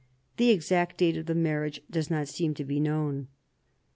The exact date of the marriage does not seem to be known.